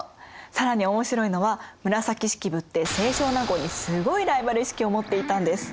更に面白いのは紫式部って清少納言にすごいライバル意識を持っていたんです。